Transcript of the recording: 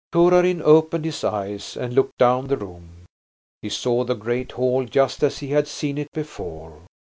Torarin opened his eyes and looked down the room. He saw the great hall just as he had seen it before.